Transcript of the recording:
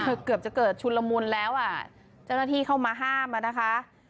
คือเกือบจะเกิดชุนละมุนแล้วอ่ะเจ้าหน้าที่เข้ามาห้ามอ่ะนะคะ